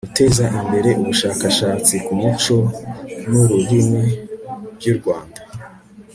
guteza imbere ubushakashatsi ku muco n'ururimi by' u rwanda